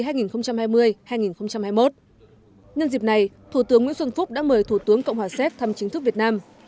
nhân dịp này thủ tướng nguyễn xuân phúc đã mời thủ tướng cộng hòa séc thăm chính thức việt nam